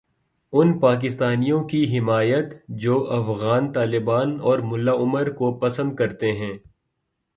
ان پاکستانیوں کی حمایت جوافغان طالبان اور ملا عمر کو پسند کرتے ہیں۔